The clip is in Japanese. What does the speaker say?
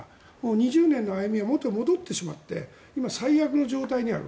２０年の歩みが元に戻って今、最悪の状態にある。